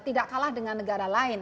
tidak kalah dengan negara lain